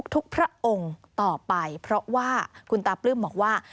พระองค์ต่อไปเพราะว่าคุณตาปลื้มบอกว่า